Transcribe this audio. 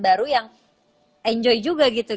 baru yang enjoy juga gitu